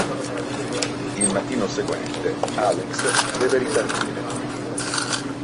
Il mattino seguente Alex deve ripartire.